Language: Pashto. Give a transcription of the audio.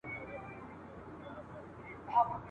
بیا ماشومانو ته بربنډي حوري ..